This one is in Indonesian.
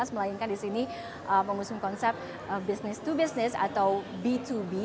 melainkan di sini mengusung konsep business to business atau b dua b